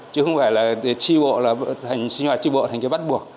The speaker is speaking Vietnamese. chứ không phải là sinh hoạt tri bộ thành cái bắt buộc